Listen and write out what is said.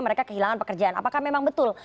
mereka kehilangan pekerjaan apakah memang betul